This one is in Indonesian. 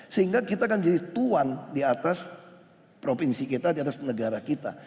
sehingga kita akan jadi tuan di atas provinsi kita di atas negara kita